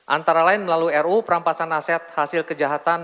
antara lain melalui ru perampasan aset hasil kejahatan